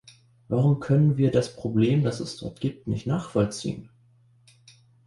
Warum können wir das Problem, das es dort gibt, nicht nachvollziehen?